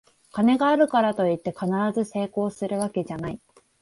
金があるからといって必ず成功するわけじゃない